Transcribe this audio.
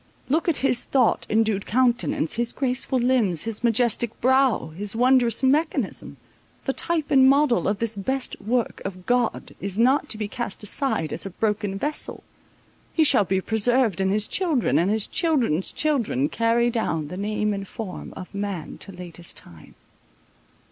Look at his thought endued countenance, his graceful limbs, his majestic brow, his wondrous mechanism—the type and model of this best work of God is not to be cast aside as a broken vessel—he shall be preserved, and his children and his children's children carry down the name and form of man to latest time.